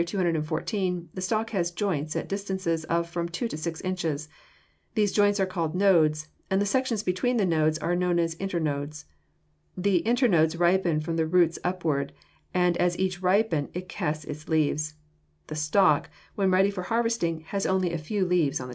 214 the stalk has joints at distances of from two to six inches. These joints are called nodes, and the sections between the nodes are known as internodes. The internodes ripen from the roots upward, and as each ripens it casts its leaves. The stalk, when ready for harvesting, has only a few leaves on the top. [Illustration: Fig.